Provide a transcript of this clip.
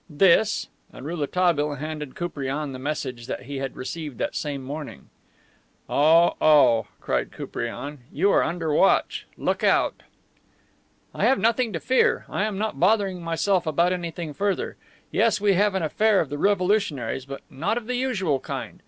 "This." And Rouletabille handed Koupriane the message he had received that same morning. "Oh, oh," cried Koupriane. "You are under watch! Look out." "I have nothing to fear; I'm not bothering myself about anything further. Yes, we have an affair of the revolutionaries, but not of the usual kind.